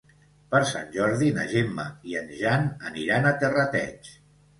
Per Sant Jordi na Gemma i en Jan aniran a Terrateig.